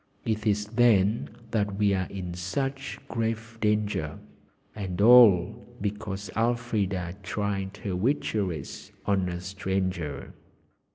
It is then that we are in such grave danger and all because Elfrida tried her witcheries on a stranger."